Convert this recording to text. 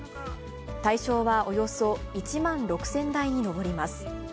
対象はおよそ１万６０００台に上ります。